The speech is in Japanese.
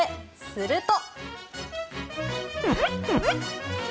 すると。